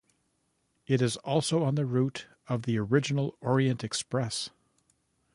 It is also on the route of the original Orient Express.